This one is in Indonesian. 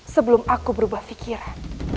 sebelum aku berubah fikiran